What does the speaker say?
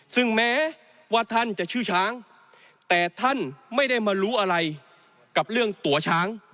ซึ่งแม้ว่าท่านจะชื่อช้างแต่ท่านไม่ได้มารู้อะไรกับเรื่องตัวช้าง